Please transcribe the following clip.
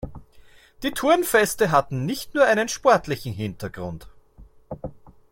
Die Turnfeste hatten nicht nur einen sportlichen Hintergrund.